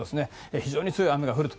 非常に強い雨が降ります。